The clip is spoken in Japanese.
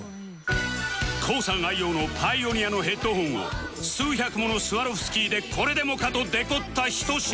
ＫＯＯ さん愛用のパイオニアのヘッドフォンを数百ものスワロフスキーでこれでもかとデコったひと品